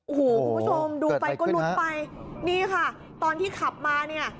โอ้โหคุณผู้ชมดูไปก็ลุ้นไปนี่ค่ะตอนที่ขับมาเนี่ย